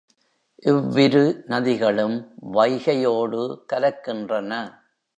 இவ்விரு நதிகளும் வைகையோடு கலக்கின்றன.